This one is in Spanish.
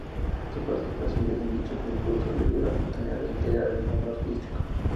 Su participación en dicho concurso le dio la oportunidad de ingresar al mundo artístico.